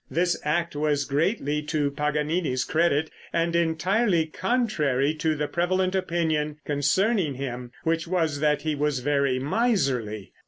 This act was greatly to Paganini's credit, and entirely contrary to the prevalent opinion concerning him, which was that he was very miserly.